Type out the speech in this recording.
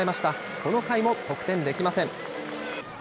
この回も得点できません。